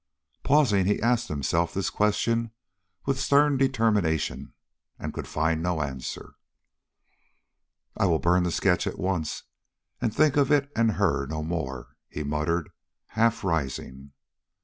Pausing he asked himself this question with stern determination, and could find no answer. "I will burn the sketch at once, and think of it and her no more," he muttered, half rising.